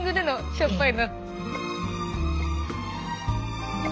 しょっぱい！